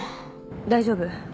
大丈夫。